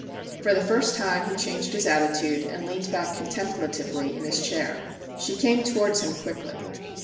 For the first time he changed his attitude, and leaned back contemplatively in his chair. She came towards him quickly.